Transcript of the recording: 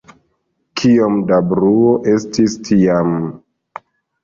Kiom da bruo estis tiam..